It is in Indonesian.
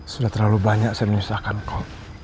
sudah terlalu banyak saya menyusahkan kok